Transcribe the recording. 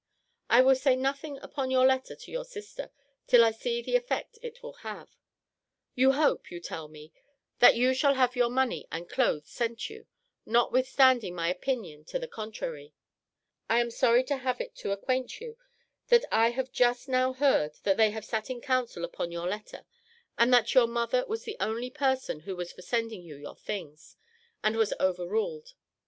I will say nothing upon your letter to your sister till I see the effect it will have. You hope, you tell me, that you shall have your money and clothes sent you, notwithstanding my opinion to the contrary I am sorry to have it to acquaint you, that I have just now heard, that they have sat in council upon your letter; and that your mother was the only person who was for sending you your things, and was overruled.